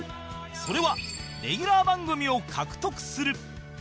それはレギュラー番組を獲得する